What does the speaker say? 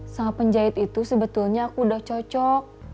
sama penjahit itu sebetulnya aku udah cocok